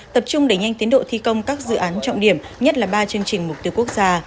tập trung đẩy nhanh tiến độ thi công các dự án trọng điểm nhất là ba chương trình mục tiêu quốc gia